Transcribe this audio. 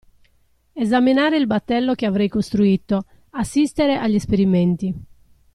Esaminare il battello che avrei costruito, assistere agli esperimenti.